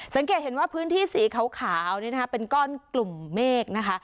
สังเกตเห็นว่าพื้นที่สีขาวเป็นก้อนกลุ่มเมฆ